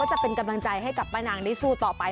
จะเป็นกำลังใจให้กับป้านางได้สู้ต่อไป